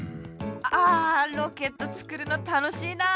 あロケットつくるのたのしいな。